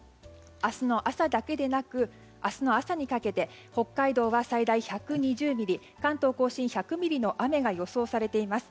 明日の朝だけでなく明日の朝にかけて北海道は最大１２０ミリ関東・甲信１００ミリの雨が予想されています。